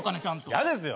嫌ですよ！